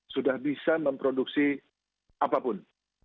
sudah bisa memproduksi apapun